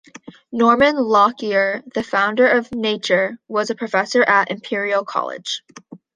Norman Lockyer, the founder of "Nature", was a professor at Imperial College.